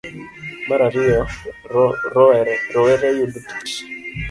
Mar ariyo, rowere yudo tich.